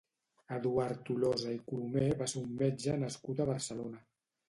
Eduard Tolosa i Colomer va ser un metge nascut a Barcelona.